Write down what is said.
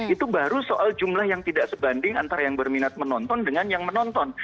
itu baru soal jumlah yang tidak sebanding antara yang berminat menonton dengan yang menonton